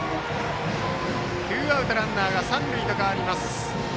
ツーアウトランナー、三塁に変わります。